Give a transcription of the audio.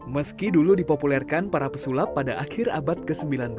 meski dulu dipopulerkan para pesulap pada akhir abad ke sembilan belas